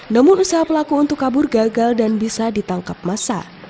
namun usaha pelaku untuk kabur gagal dan bisa ditangkap masa